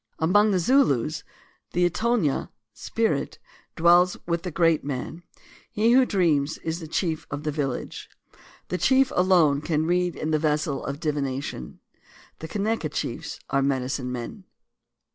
Among the Zulus " the Itonyo (spirit) dwells with the great man; he who dreams is the chief of the village." The chief alone can " read in the vessel of divination." The Kaneka chiefs are medicine men.